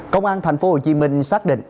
công an tp hcm xác định